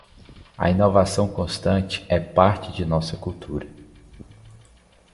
A inovação constante é parte de nossa cultura.